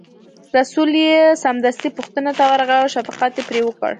رسول یې سمدستي پوښتنې ته ورغی او شفقت یې پرې وکړ.